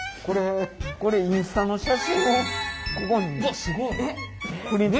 これインスタの写真をここにプリント。え？